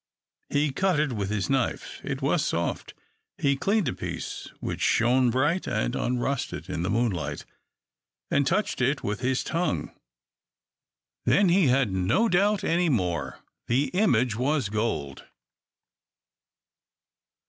He cut it with his knife; it was soft. He cleaned a piece, which shone bright and unrusted in the moonlight, and touched it with his tongue. Then he had no doubt any more. _The image was gold!